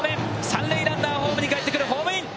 三塁ランナー、ホームに帰ってくるホームイン。